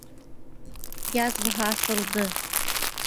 Язваһы асылды!